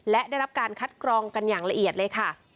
และได้รับการคัดกรองกันอย่างละเอียดเลยค่ะ